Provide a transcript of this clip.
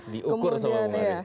diukur sama umaris